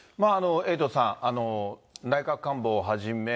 エイトさん、内閣官房をはじめ、